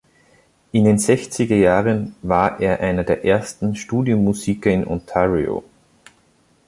In den sechziger Jahren war er einer der ersten Studiomusiker in Ontario.